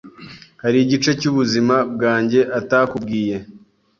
Hari igice cyubuzima bwanjye atakubwiye?